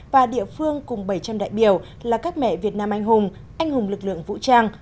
và địa phương cùng bảy trăm linh đại biểu là các mẹ việt nam anh hùng anh hùng lực lượng vũ trang